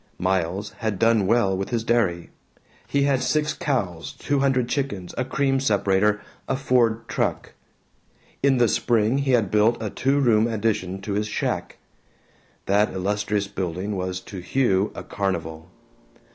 Miles had done well with his dairy. He had six cows, two hundred chickens, a cream separator, a Ford truck. In the spring he had built a two room addition to his shack. That illustrious building was to Hugh a carnival.